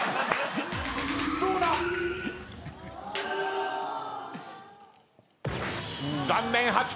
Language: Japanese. どうだ⁉残念。